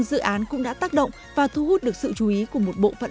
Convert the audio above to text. và cũng là lúc tổ chức tổ chức tổ chức tổ chức tổ chức